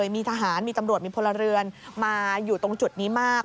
มีทหารมีตำรวจมีพลเรือนมาอยู่ตรงจุดนี้มาก